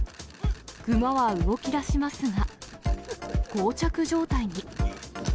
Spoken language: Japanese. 熊は動き出しますが、こう着状態に。